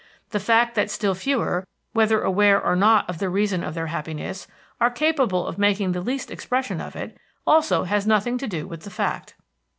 The fact that still fewer, whether aware or not of the reason of their happiness, are capable of making the least expression of it, also has nothing to do with the fact.